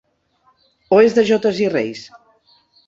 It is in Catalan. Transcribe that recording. O és de jotes i reis?